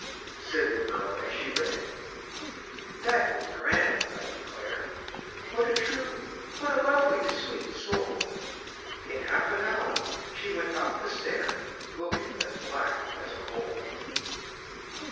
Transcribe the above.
Said the girl as she read, "That was grand, I declare! What a true, what a lovely, sweet soul!" In half an hour she went up the stair, Looking as black as a coal!